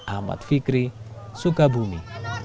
ahmad fikri sukabumi